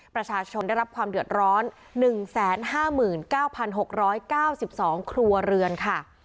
ประชาชนได้รับความเดือดร้อน๑๕๙๖๙๒ครัวเรือนค่ะ